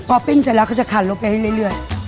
พอปิ้งเสร็จแล้วก็จะขาดลงไปเรื่อย